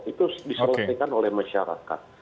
itu diselenggarkan oleh masyarakat